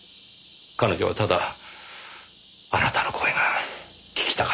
彼女はただあなたの声が聞きたかった。